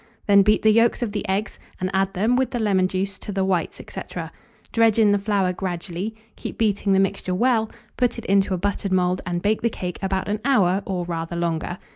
Then beat the yolks of the eggs, and add them, with the lemon juice, to the whites, &c. dredge in the flour gradually; keep beating the mixture well; put it into a buttered mould, and bake the cake about an hour, or rather longer.